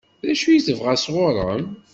D acu i tebɣa sɣur-m?